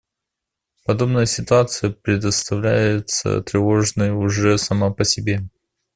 Подобная ситуация представляется тревожной уже сама по себе.